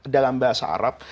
dalam bahasa arab